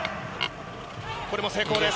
これも成功です。